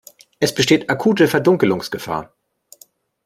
Es besteht akute Verdunkelungsgefahr.